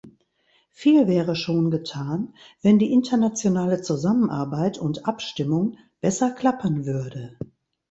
Viel wäre schon getan, wenn die internationale Zusammenarbeit und Abstimmung besser klappen würde.